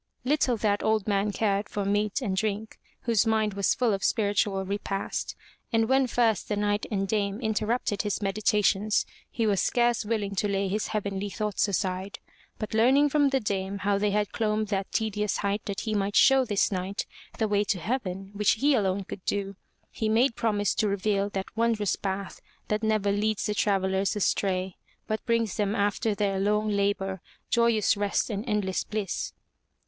Little that old man cared for meat and drink, whose mind was full of spiritual repast, and when first the Knight and dame inter rupted his meditations, he was scarce willing to lay his heavenly thoughts aside, but learning from the dame how they had clomb that tedious height that he might show this knight the way to heaven, which he alone could do, he made promise to reveal that wondrous path that never leads the travellers astray, but brings them after their long labor joyous rest and endless bliss.